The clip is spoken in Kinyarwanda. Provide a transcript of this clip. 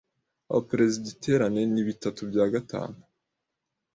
Abaperezida iterane ni bitatu bya gatanu